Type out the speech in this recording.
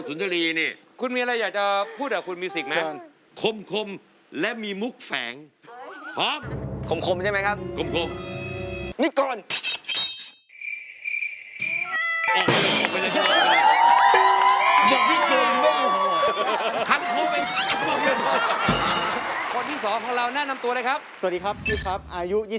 ผมดีครับคนที่สองครับเราหน้านำตัวเลยครับสวัสดีครับพี่ครับอายุ